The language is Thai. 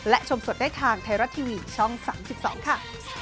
และชมสดได้ทางไทยรัฐทีวีช่อง๓๒ค่ะ